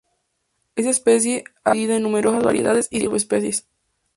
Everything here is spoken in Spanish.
Esta especie ha sido dividida en numerosas variedades y subespecies.